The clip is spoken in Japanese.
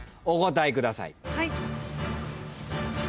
お答えください。